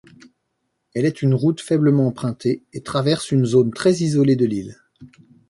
Elle est une route faiblement empruntée, et traverse une zone très isolée de l'île.